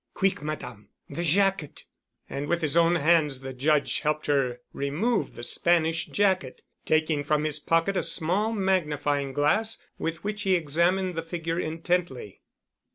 "Quick, Madame. The jacket——" And with his own hands the Judge helped her remove the Spanish jacket, taking from his pocket a small magnifying glass with which he examined the figure intently.